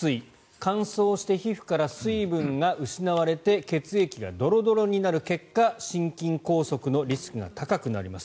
乾燥して皮膚から水分が失われて血液がドロドロになる結果心筋梗塞のリスクが高くなります。